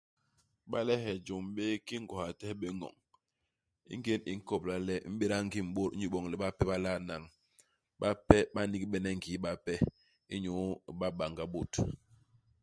Bale he jôm bé ki ngôs a tehe bé ñoñ. I ngén i i nkobla le i mbéda ngim i bôt inyu boñ le bape ba la nañ ; bape ba nnigbene i ngii bape inyu iba banga i bôt.